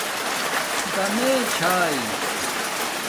دَمیݺ چھݳ